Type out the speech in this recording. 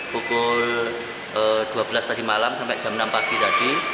pukul dua belas tadi malam sampai jam enam pagi tadi